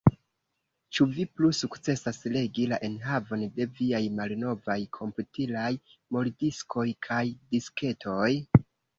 Ĉu vi plu sukcesas legi la enhavon de viaj malnovaj komputilaj moldiskoj kaj disketoj?